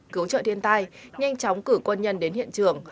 cứu trợ thiên tai nhanh chóng cử quân nhân đến hiện trường